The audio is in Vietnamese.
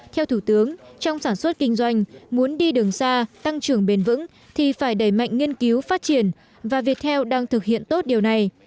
theo thủ tướng trong sản xuất kinh doanh muốn đi đường xa tăng trưởng bền vững thì phải đẩy mạnh nghiên cứu phát triển và viettel đang thực hiện tốt điều này